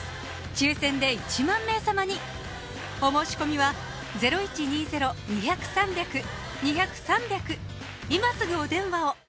抽選で１万名様にお申し込みは今すぐお電話を！